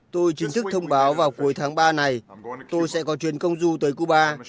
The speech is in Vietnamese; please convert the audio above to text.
tôi chính thức thông báo vào cuối tháng ba này tôi sẽ có chuyến công du tới cuba